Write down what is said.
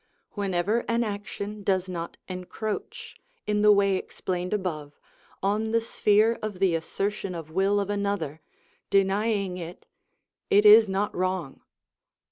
Whenever an action does not encroach, in the way explained above, on the sphere of the assertion of will of another, denying it, it is not wrong.